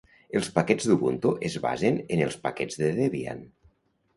Els paquets d'Ubuntu es basen en els paquets de Debian.